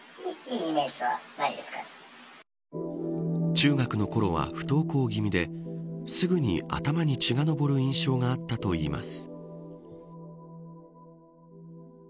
中学のころは不登校気味ですぐに頭に血が上る印象があったといいます。